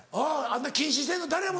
「あんな禁止してんの誰や？